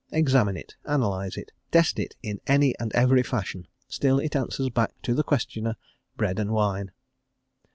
Examine it; analyse it; test it in any and every fashion; still it answers back to the questioner, "bread and wine."